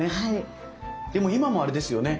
でも今もあれですよね